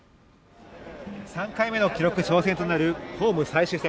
３回目の記録挑戦となるホーム最終戦。